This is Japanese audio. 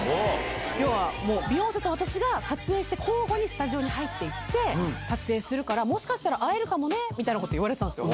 要はもう、ビヨンセと私が撮影して、交互にスタジオに入っていって、撮影するから、もしかしたら会えるかもねみたいなことを言われてたんですよ。